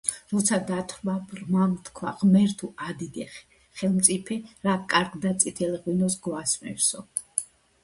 როცა დათვრა, ბრმამ თქვა: ღმერთო, ადიდე ხელმწიფე, რა კარგ და წითელ ღვინოს გვასმევსო!